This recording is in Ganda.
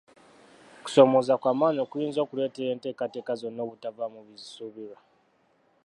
Kusomooza kwa maanyi okuyinza okuleetera enteekateeka zonna obutavaamu bizisuubirwa.